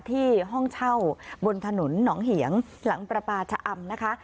ห้องเช่าบนถนนหนองเหียงหลังประปาชะอำนะคะ